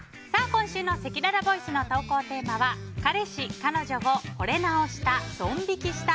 今週のせきららボイスの投稿テーマは彼氏・彼女をほれ直した！